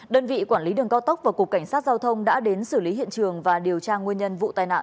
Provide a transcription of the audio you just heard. đơn vị quản lý đường cao tốc và cục cảnh sát giao thông đã đến xử lý hiện trường và điều tra nguyên nhân vụ tai nạn